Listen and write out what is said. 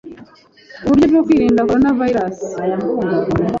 Uburyo bwo kwirinda corona virus